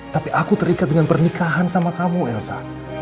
tapi aku terikat dengan pernikahan sama kamu elsa